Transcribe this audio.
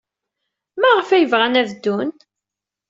Maɣef ay bɣan ad ddun?